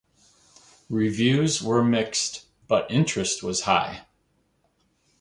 Reviews were mixed, but interest was high.